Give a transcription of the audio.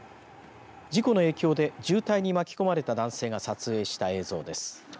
事故の影響で渋滞に巻き込まれた男性が撮影した映像です。